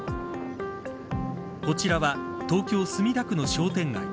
こちらは東京、墨田区の商店街。